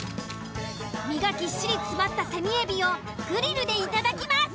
身がぎっしり詰まったセミエビをグリルでいただきます。